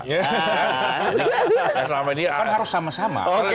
kan harus sama sama